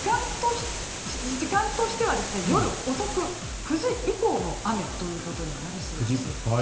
時間としては夜遅く９時以降の雨となりそうです。